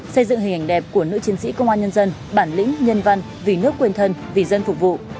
xây dựng hình ảnh đẹp của nữ chiến sĩ công an nhân dân bản lĩnh nhân văn vì nước quên thân vì dân phục vụ